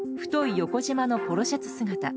横じまのポロシャツ姿。